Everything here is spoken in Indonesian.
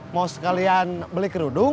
mau sekalian beli kerudung